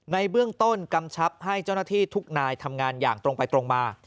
ในเบื้องต้นกำชับให้เจ้าหน้าที่ทุกนายทำงานอย่างตรงไปตรงมา